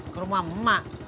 ke rumah emak